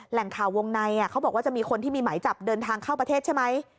แหล่งข่าววงในเขาบอกว่าจะมีคนที่มีหมายจับเดินทางเข้าประเทศใช่ไหม